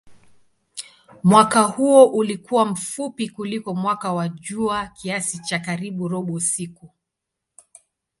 Mwaka huo ulikuwa mfupi kuliko mwaka wa jua kiasi cha karibu robo siku.